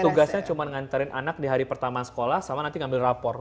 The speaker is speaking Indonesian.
jadi tugasnya cuma nganterin anak di hari pertama sekolah sama nanti ngambil rapor